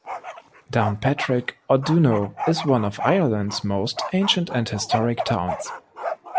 Downpatrick or Duno is one of Ireland's most ancient and historic towns.